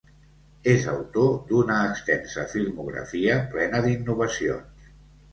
És autor d'una extensa filmografia plena d'innovacions.